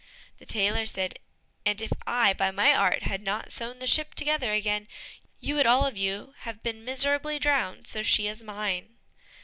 The tailor said, "And if I, by my art, had not sewn the ship together again, you would all of you have been miserably drowned, so she is mine."